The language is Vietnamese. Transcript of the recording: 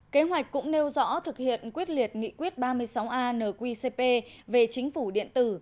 kế hoạch cũng nêu rõ thực hiện quyết liệt nghị quyết ba mươi sáu an nqcp về chính phủ điện tử